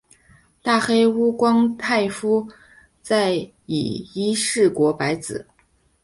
大黑屋光太夫在以伊势国白子。